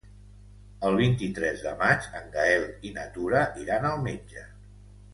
El vint-i-tres de maig en Gaël i na Tura iran al metge.